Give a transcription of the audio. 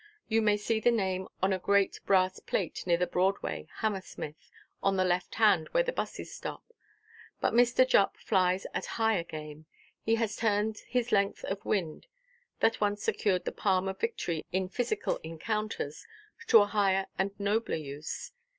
You may see the name on a great brass–plate near the Broadway, Hammersmith, on the left hand, where the busses stop. But Mr. Jupp flies at higher game. He has turned his length of wind, that once secured the palm of victory in physical encounters, to a higher and nobler use.